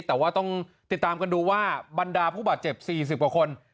แต่ว่าต้องติดตามกันดูว่าบรรดาผู้บาดเจ็บ๔๐กว่าคน